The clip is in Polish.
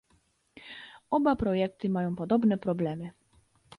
Oba projekty mają podobne problemy